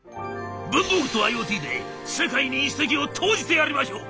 文房具とＩｏＴで世界に一石を投じてやりましょう。